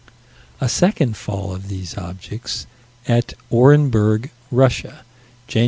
A second fall of these objects, at Orenburg, Russia, Jan.